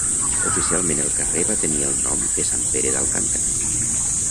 Oficialment el carrer va tenir el nom de Sant Pere d'Alcàntara.